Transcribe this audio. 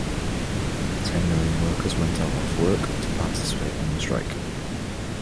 Ten Million workers went out of work to participate in the strike.